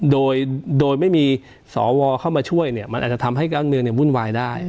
โดยไม่มีสวเข้ามาช่วยเนี่ยมันอาจจะทำให้การเมืองวุ่นวายได้